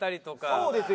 そうですよ。